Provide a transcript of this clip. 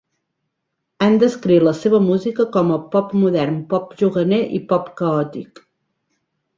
Han descrit la seva música com a pop modern, pop juganer i pop caòtic.